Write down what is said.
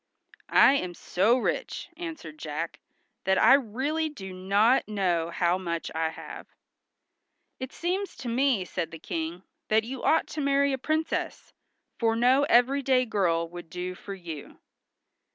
"I am so rich," answered Jack, "that I really do not know how much I have." "It seems to me," said the King, "that you ought to marry a princess, for no everyday girl would do for you."